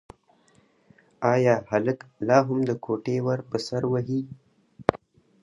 ایا هلک لا هم د کوټې ور په سر وهي؟